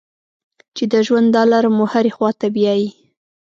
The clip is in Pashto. چې د ژوند دا لاره مو هرې خوا ته بیايي.